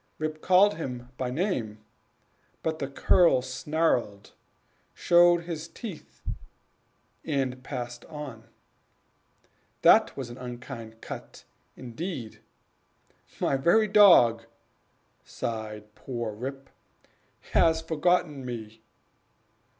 Rip called him by name, but the cur snarled, showed his teeth, and passed on. This was an unkind cut indeed "My very dog," sighed poor Rip, "has forgotten me!"